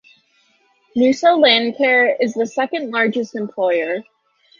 Noosa Landcare is the second largest employer.